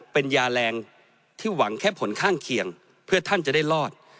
เป็นยาแรงที่หวังแค่ผลข้างเคียงเพื่อท่านจะได้รอด